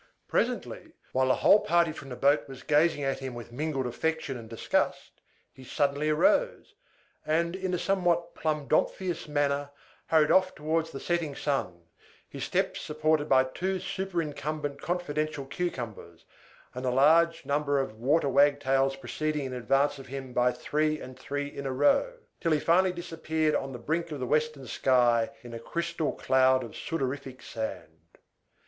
Presently, while the whole party from the boat was gazing at him with mingled affection and disgust, he suddenly arose, and, in a somewhat plumdomphious manner, hurried off towards the setting sun, his steps supported by two superincumbent confidential Cucumbers, and a large number of Waterwagtails proceeding in advance of him by three and three in a row, till he finally disappeared on the brink of the western sky in a crystal cloud of sudorific sand.